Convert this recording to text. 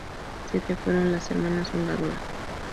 Siete fueron las hermanas fundadoras.